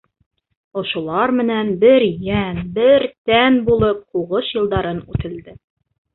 Ошолар менән бер йән, бер тән булып һуғыш йылдарын үтелде.